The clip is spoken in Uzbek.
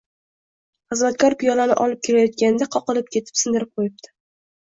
Xizmatkor piyolani olib kelayotganda qoqilib ketib sindirib qo‘yibdi